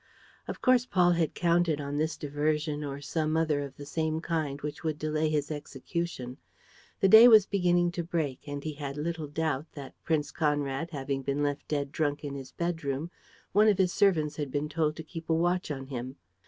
Of course, Paul had counted on this diversion or some other of the same kind which would delay his execution. The day was beginning to break and he had little doubt that, Prince Conrad having been left dead drunk in his bedroom, one of his servants had been told to keep a watch on him.